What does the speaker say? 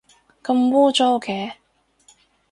咁污糟嘅